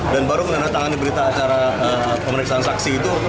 dan baru menandatangani berita acara pemeriksaan saksi itu